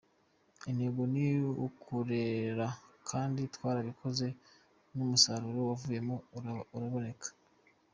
Intego ni ukurera kandi twarabikoze n’umusaruro wavuyemo uraboneka.